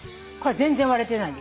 全然割れてない。